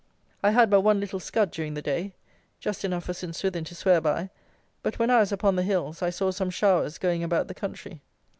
I had but one little scud during the day: just enough for St. Swithin to swear by; but when I was upon the hills I saw some showers going about the country.